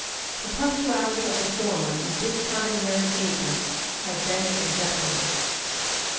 The punctuality of the former in discharging their engagements has been exemplary.